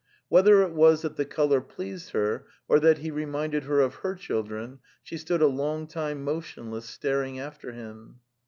Whether it was that the colour pleased her or that he reminded her of her children, she stood a long time motionless star ing atter him